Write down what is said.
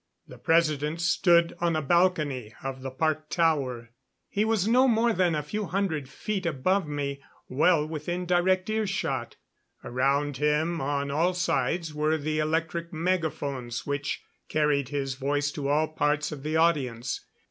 The President stood on a balcony of the park tower. He was no more than a few hundred feet above me, well within direct earshot. Around him on all sides were the electric megaphones which carried his voice to all parts of the audience.